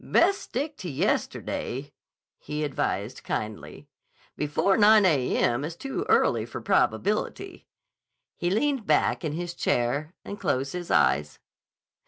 "Best stick to yesterday," he advised kindly. "Before 9 a.m. is too early for probability." He leaned back in his chair and closed his eyes.